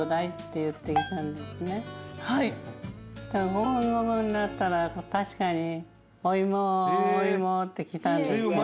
５分後になったら確かに「おいもおいも」って来たんですよ。